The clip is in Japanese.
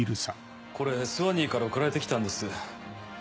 これスワニーから送られて来たんです。